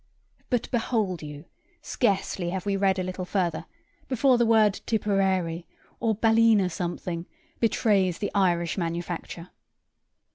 But, behold you! scarcely have we read a little farther, before the word Tipperary or Ballina something betrays the Irish manufacture.